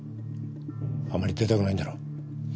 あんまり出たくないんだろ？